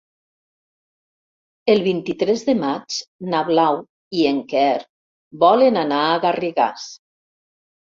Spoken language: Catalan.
El vint-i-tres de maig na Blau i en Quer volen anar a Garrigàs.